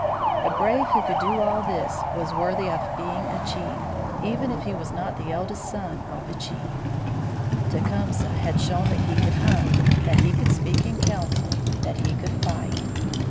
A brave who could do all this was worthy of being a chief, even if he was not the eldest son of a chief. Tecumseh had shown that he could hunt, that he could speak in council, that he could fight.